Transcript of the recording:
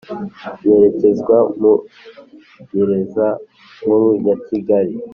yerekezwa muri gereza nkuru ya kigali